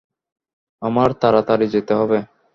আমার তারাতাড়ি যেতে হবে।